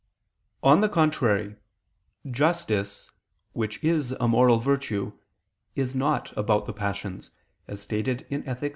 On the contrary, Justice, which is a moral virtue, is not about the passions; as stated in _Ethic.